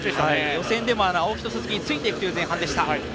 予選でも青木と鈴木についていくというレースでした。